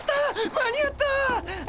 間に合った！